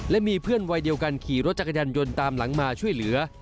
และมีเพื่อนวัยเดียวกันขี่รถจักรยานยนต์ตามหลังมาช่วยเหลือ